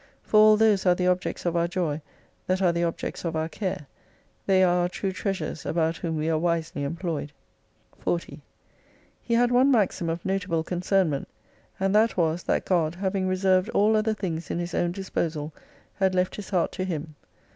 For all those are the objects of our joy that are the objects of our care. They are our true treasures about whom we are wisely employed. 40 He had one maxim of notable concernment, and that was. That God, having reserved all other things in his own disposal, had left his heart to him.